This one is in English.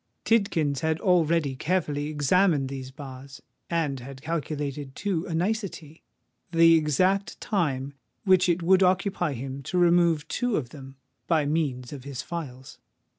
Tidkins had already carefully examined these bars, and had calculated to a nicety the exact time which it would occupy him to remove two of them by means of his files.